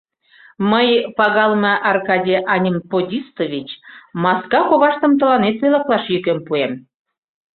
Мый, пагалыме Аркадий Анемподистович, маска коваштым тыланет пӧлеклаш йӱкем пуэм.